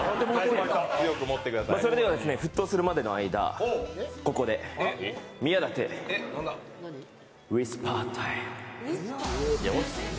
それでは、沸騰するまでの間ここで宮舘ウイスパータイム。